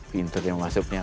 pintar yang masuknya